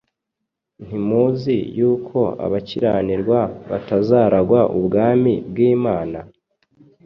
Ntimuzi yuko abakiranirwa batazaragwa ubwami bw’Imana. ”